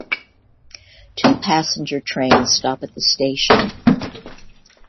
Two Passenger trains stop at the station.